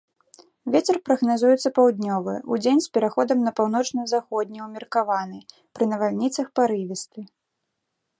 Вецер прагназуецца паўднёвы, удзень з пераходам на паўночна-заходні ўмеркаваны, пры навальніцах парывісты.